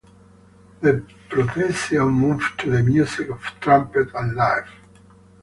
The procession moved to the music of trumpet and fife.